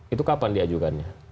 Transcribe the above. itu kapan diajugannya